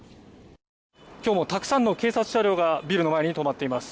今日もたくさんの警察車両がビルの前に止まっています。